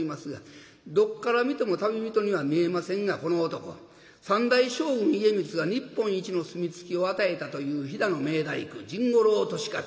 どっから見ても旅人には見えませんがこの男三代将軍家光が日本一のお墨付きを与えたという飛騨の名大工甚五郎利勝。